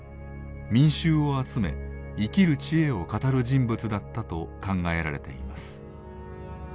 民衆を集め生きる知恵を語る人物だったと考えられています。